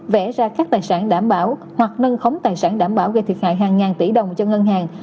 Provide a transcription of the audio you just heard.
vẽ ra các tài sản đảm bảo hoặc nâng khống tài sản đảm bảo gây thiệt hại hàng ngàn tỷ đồng cho ngân hàng